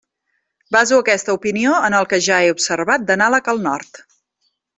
Baso aquesta opinió en el que ja he observat d'anàleg al Nord.